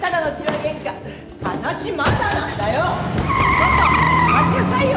ちょっと待ちなさいよ。